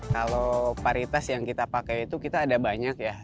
kalau paritas yang kita pakai itu kita ada banyak ya